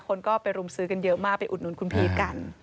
คนก็ไปรุมซื้อกันเยอะมากไปอุดหนุนคุณพีชกัน